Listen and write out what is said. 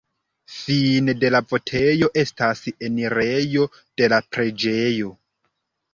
Fine de la vojeto estas enirejo de la preĝejo.